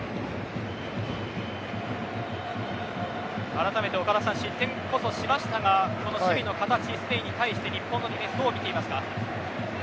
改めて岡田さん失点こそしましたが守備の形、スペインに対して日本のディフェンスどう見ていますか。